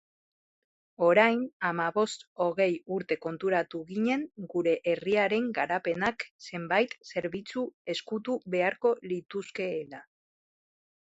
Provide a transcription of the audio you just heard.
Orain hamabost-hogei urte konturatu ginen gure herriaren garapenak zenbait zerbitzu ezkutu beharko lituzkeela.